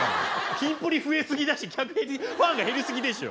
キンプリ増えすぎだし客ファンが減りすぎでしょ。